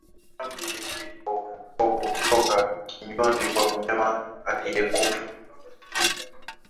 Damu yenye povupovu hutoka kinywani kwa mnyama aliyekufa